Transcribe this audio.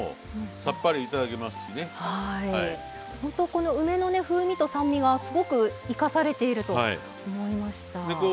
この梅の風味と酸味がすごく生かされていると思いました。